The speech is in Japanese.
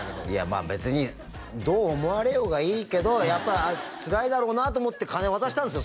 まあ別にどう思われようがいいけどやっぱつらいだろうなと思って金渡したんですよ